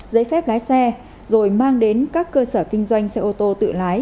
giấy phép lái xe rồi mang đến các cơ sở kinh doanh xe ô tô tự lái